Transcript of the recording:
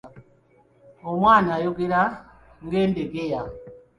Omwana ayogera nga Endegeya